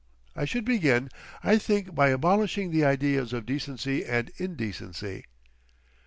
I should begin, I think, by abolishing the ideas of decency and indecency...."